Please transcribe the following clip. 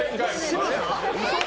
嶋佐？